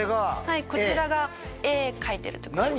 はいこちらが絵描いてるところ何